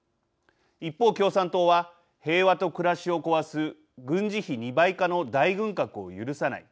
一方、共産党は平和と暮らしを壊す軍事費２倍化の大軍拡を許さない。